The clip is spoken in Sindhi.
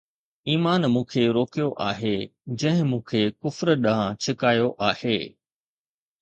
ايمان مون کي روڪيو آهي، جنهن مون کي ڪفر ڏانهن ڇڪايو آهي